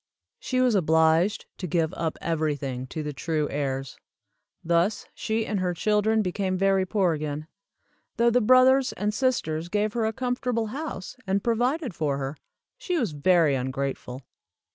She was obliged to give up everything to the true heirs. Thus she and her children became very poor again. Though the brothers and sisters gave her a comfortable house, and provided for her, she was very ungrateful.